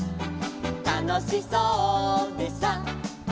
「たのしそうでさ」